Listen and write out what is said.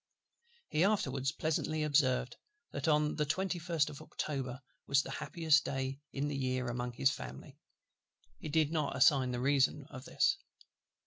He afterwards pleasantly observed that "the 21st of October was the happiest day in the year among his family," but did not assign the reason of this.